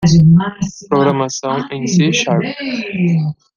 Programação em C Sharp.